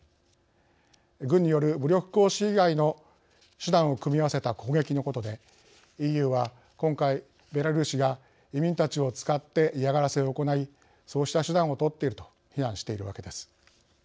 軍による武力行使以外の手段を組み合わせた攻撃のことでＥＵは今回ベラルーシが移民たちを使って嫌がらせを行いそうした手段をとっていると非難しているわけです。